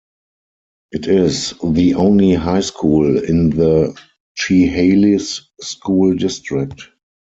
It is the only high school in the Chehalis School District.